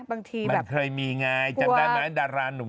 มันเคยมีไงเหรอจำได้ไหมดาลาแม้หนู